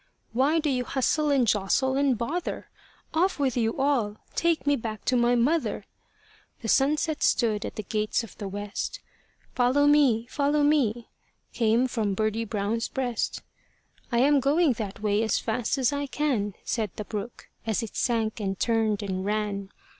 "Why do you hustle and jostle and bother? Off with you all! Take me back to my mother." The sunset stood at the gates of the west. "Follow me, follow me" came from Birdie Brown's breast. "I am going that way as fast as I can," Said the brook, as it sank and turned and ran.